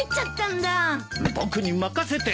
僕に任せて。